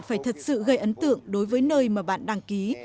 phải thật sự gây ấn tượng đối với nơi mà bạn đăng ký